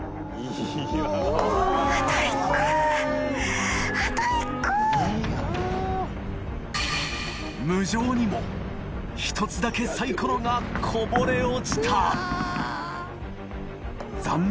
稾犠陲砲１つだけサイコロがこぼれ落ちた禹椎